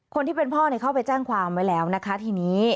คนที่เป็นพ่อเข้าไปแจ้งความไว้แล้วนะคะทีนี้